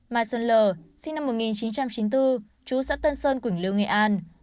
mai xuân l l sinh năm một nghìn chín trăm chín mươi bốn chú xã tân sơn quỳnh lưu nghệ an